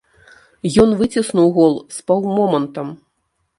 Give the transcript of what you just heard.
Ён выціснуў гол з паўмомантам.